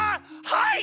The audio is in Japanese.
はい！